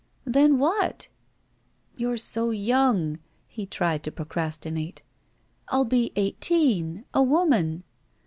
"Then what?" "You're so yoimg," he tried to procrastinate. "I'll be eighteen. A woman."